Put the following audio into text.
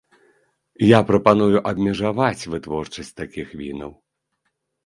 Я прапаную абмежаваць вытворчасць такіх вінаў.